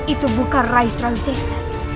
itu bukan raden surawi sesa